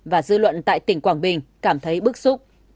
và dư luận tại tỉnh quảng bình cảm thấy bức xúc